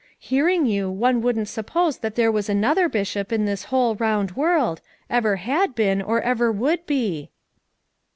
Hearing you, one wouldn't sup pose that there was another Bishop in this whole round world, ever had been, or ever would be."